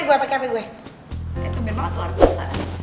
itu bener banget luar pulsa